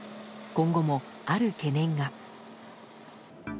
今後もある懸念が。